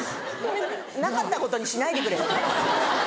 なかったことにしないでくれる？